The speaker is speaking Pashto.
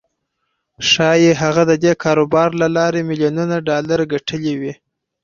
ښايي هغه د دې کاروبار له لارې ميليونونه ډالر ګټلي وي.